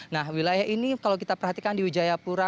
nah wilayah ini kalau kita perhatikan di wijayapura